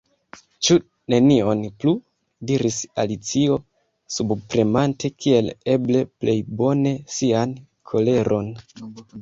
"Ĉu nenion plu?" diris Alicio, subpremante kiel eble plej bone sian koleron.